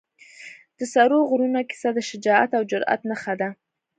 د سرو غرونو کیسه د شجاعت او جرئت نښه ده.